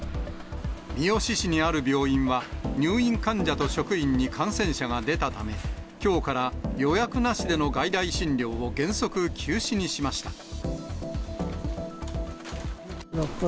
三次市にある病院は、入院患者と職員に感染者が出たため、きょうから予約なしでの外来診療を原則、休止にしました。